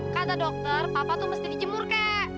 kata dokter papa tuh mesti dijemur kek